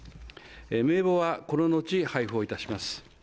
名簿はこののち配布いたします。